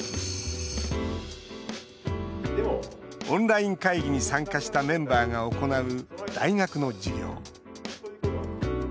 オンライン会議に参加したメンバーが行う、大学の授業。